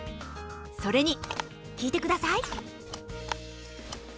それに聞いて下さい。